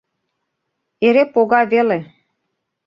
Эре пога веле.